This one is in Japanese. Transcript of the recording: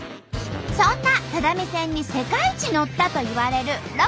そんな只見線に世界一乗ったといわれるロコ発見！